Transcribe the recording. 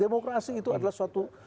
demokrasi itu adalah suatu